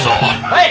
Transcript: はい。